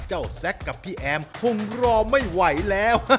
แซคกับพี่แอมคงรอไม่ไหวแล้ว